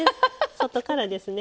外からですね？